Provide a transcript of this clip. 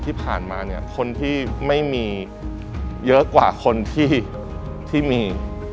ที่ผ่านมาเนี่ยคนที่ไม่มีเยอะกว่าคนที่มี